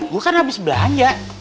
gue kan habis belanja